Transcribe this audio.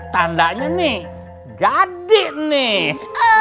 tandanya nih gadi nih